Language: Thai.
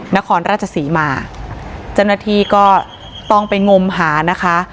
นครราชสีมาจนาทีก็ต้องไปงมหานะคะค่ะ